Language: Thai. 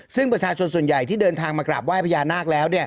ซึ่งประชาชนส่วนใหญ่ที่เดินทางมากราบไห้พญานาคแล้ว